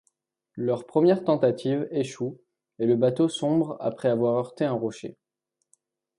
Leur première tentative échoue et le bateau sombre après avoir heurté un rocher.